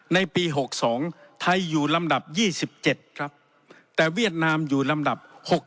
ในปี๖๒ไทยอยู่ลำดับ๒๗ครับแต่เวียดนามอยู่ลำดับ๖๖